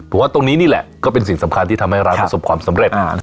ผมว่าตรงนี้นี่แหละก็เป็นสิ่งสำคัญที่ทำให้ร้านประสบความสำเร็จ